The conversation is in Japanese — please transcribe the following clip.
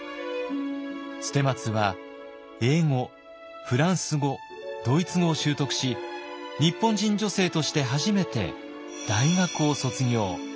捨松は英語フランス語ドイツ語を習得し日本人女性として初めて大学を卒業。